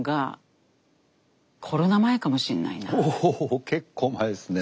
おお結構前ですね。